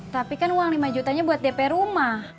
tapi kan uang lima jutanya buat dp rumah